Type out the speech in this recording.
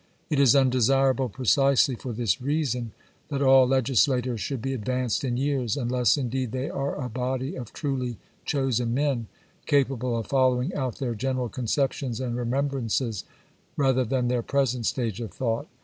It is undesirable, precisely for this reason, that all legislators should be advanced in years, unless, indeed, they are a body of truly chosen men, capable of following out their general conceptions and remembrances rather than their present stage of thought.